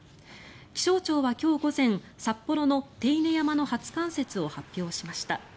気象庁は今日午前札幌の手稲山の初冠雪を発表しました。